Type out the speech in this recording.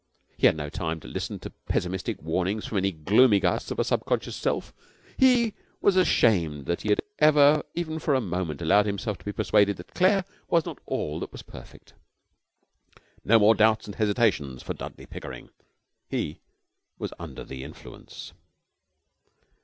He had no time to listen to pessimistic warnings from any Gloomy Gus of a Subconscious Self. He was ashamed that he had ever even for a moment allowed himself to be persuaded that Claire was not all that was perfect. No more doubts and hesitations for Dudley Pickering. He was under the influence.